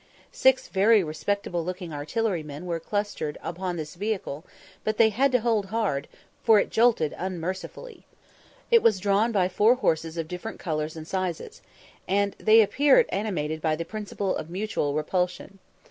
Six very respectable looking artillerymen were clustering upon this vehicle, but they had to hold hard, for it jolted unmercifully. It was drawn by four horses of different colours and sizes, and they appeared animated by the principle of mutual repulsion.